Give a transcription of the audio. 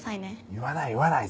言わない言わない。